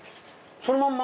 そのまんま？